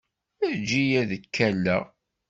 Eǧǧ-iyi ad k-alleɣ.